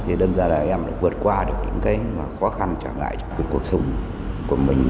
thì đâm ra là em đã vượt qua được những cái khó khăn trở lại trong cuộc cuộc sống của mình